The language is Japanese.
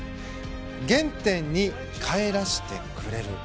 原点に帰らせてくれる。